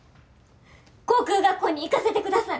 航空学校に行かせてください。